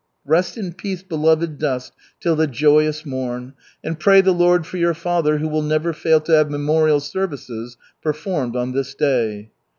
"Rest in peace, beloved dust, till the joyous morn. And pray the Lord for your father, who will never fail to have memorial services performed on this day."